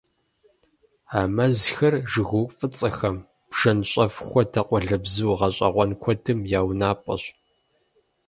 А мазхэр жыгыуӀу фӀыцӀэхэм, бжэнщӀэф хуэдэ къуалэбзу гъэщӀэгъуэн куэдым я унапӏэщ.